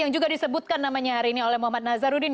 yang juga disebutkan namanya hari ini oleh muhammad nazarudin